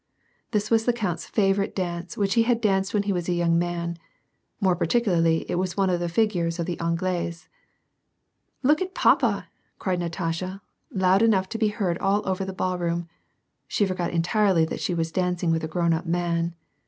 This was the count's favorite dance, which he had danced when he was a young man (more particularly it was one of the figures of the Anglaise). " Look at papa !" cried Natasha, loud enough to be heard all over the ballroom. (She forgot entirely that she was dancing with a grown up man!)